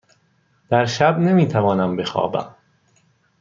در شب نمی توانم بخوابم.